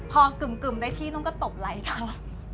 พอกึ่มได้ที่นู่นก็ตบไหล่เขา